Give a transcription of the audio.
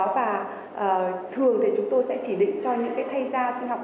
và thường thì chúng tôi sẽ chỉ định cho những cái thay da sinh học